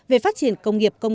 về phát triển công nghiệp